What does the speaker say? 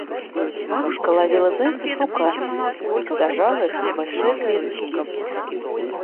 Бабушка ловила зайцев руками и сажала их в небольшие клеточки.